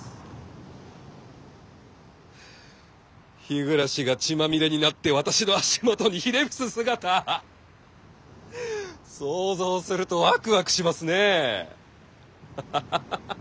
日暮が血まみれになって私の足元にひれ伏す姿想像するとワクワクしますねえ。